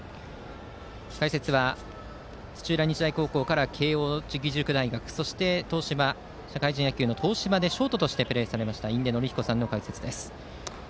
解説は土浦日大高校から慶応義塾大学そして社会人野球の東芝でショートとして活躍した印出順彦さんです。